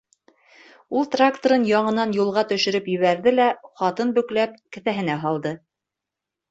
Ул тракторын яңынан юлға төшөрөп ебәрҙе лә, хатын бөкләп, кеҫәһенә һалды.